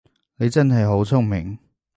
你真係好聰明